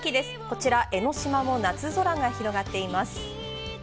こちら江の島も夏空が広がっています。